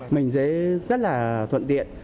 mình sẽ rất là thuận tiện